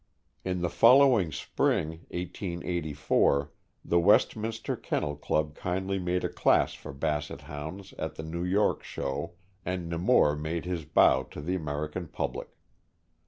In the following spring, 1884, the Westminster Kennel Club kindly made a class for Basset Hounds at the New York Show, and Nemours made his bow to the American public.